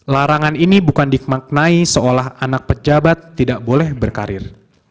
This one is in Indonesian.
larangan ini bukan dimaknai seolah anak pejabat tidak boleh berkarir